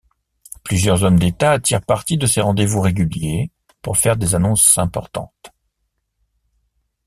Plusieurs hommes d'État tirent parti de ces rendez-vous réguliers pour faire des annonces importantes.